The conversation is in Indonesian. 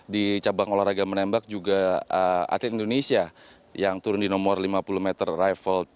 di cabang olahraga menembak juga atlet indonesia yang turun di nomor lima puluh meter rival dua